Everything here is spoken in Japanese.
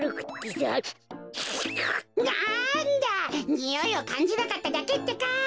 においをかんじなかっただけってか！